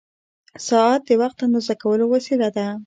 ساعت د وخت اندازه کولو وسیله ده.